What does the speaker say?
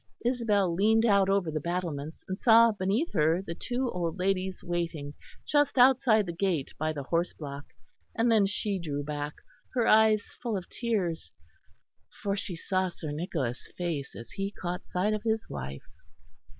Isabel leaned out over the battlements, and saw beneath her the two old ladies waiting just outside the gate by the horse block; and then she drew back, her eyes full of tears, for she saw Sir Nicholas' face as he caught sight of his wife.